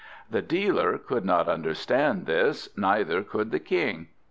The dealer could not understand this, neither could the King.